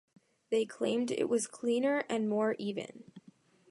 They claimed it was cleaner and more even.